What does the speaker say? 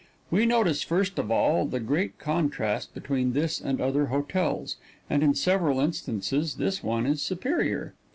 We notice first of all the great contrast between this and other hotels, and in several instances this one is superior.